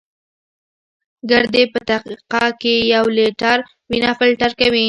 ګردې په دقیقه کې یو لیټر وینه فلټر کوي.